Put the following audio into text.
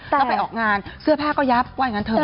แล้วไปออกงานเสื้อผ้าก็ยับว่าอย่างนั้นเถอ